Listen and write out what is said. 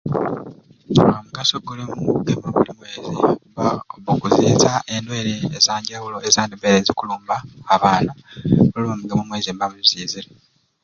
Aahh omugaso oguli omukugema buli mwezi oba okuziza endwaire ezanjawulo ezandibaire zikulumba abaana buli lwemugema buli mwezi mubaa nimuzizire.